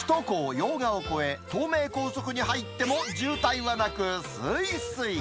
用賀を越え、東名高速に入っても渋滞はなく、すいすい。